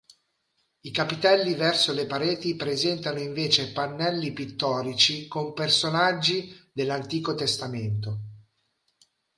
I capitelli verso le pareti presentano invece pannelli pittorici con personaggi dell'Antico Testamento.